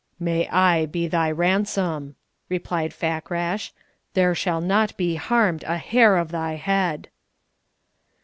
"May I be thy ransom!" replied Fakrash. "There shall not be harmed a hair of thy head!"